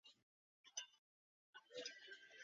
因此需要有其他安全性的措施。